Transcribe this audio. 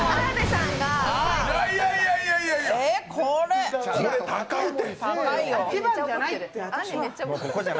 いやいやいや、これ高いって。